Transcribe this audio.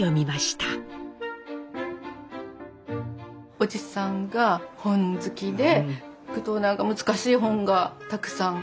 おじさんが本好きで行くと何か難しい本がたくさんあってね